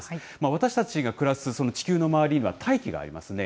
私たちが暮らす地球の周りには大気がありますね。